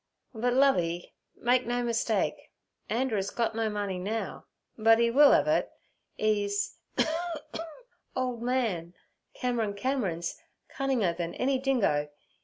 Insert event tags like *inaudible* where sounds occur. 'But, Lovey, make no mistake. Anderer's gut no money now, but 'e will ev it—'e's *coughs* old man Cameron Cameron's cunninger then any dingo.